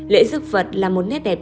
lễ giúp phật là một nét đẹp